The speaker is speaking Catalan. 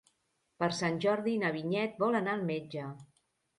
Per Sant Jordi na Vinyet vol anar al metge.